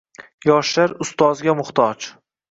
yoshlar ustozga muhtoj.